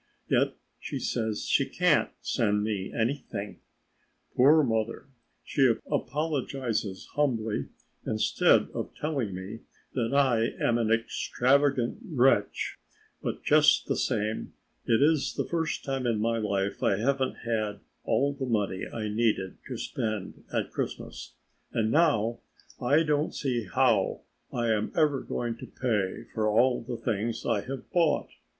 Yet she says she can't send me anything. Poor mother, she apologizes humbly instead of telling me that I am an extravagant wretch, but just the same it is the first time in my life I haven't had all the money I needed to spend at Christmas and now I don't see how I am ever going to pay for all the things I have bought.